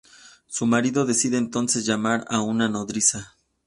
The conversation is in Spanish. Su marido decide entonces llamar a una nodriza.